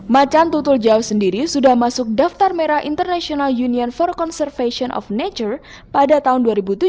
macan tutul jawa sendiri sudah masuk daftar merah international union for conservation of nature pada tahun dua ribu tujuh